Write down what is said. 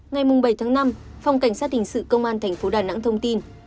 ngày bảy tháng năm phòng cảnh sát hình sự công an tp đà nẵng thông tin